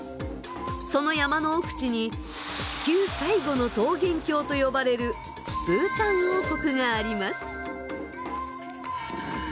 その山の奥地に地球最後の桃源郷と呼ばれるブータン王国があります。